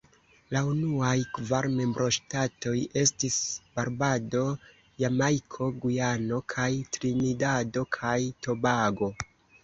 La unuaj kvar membroŝtatoj estis Barbado, Jamajko, Gujano kaj Trinidado kaj Tobago.